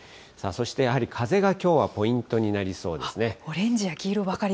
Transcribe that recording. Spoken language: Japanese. そしてやはり風がきょうはポイントになりそうですね。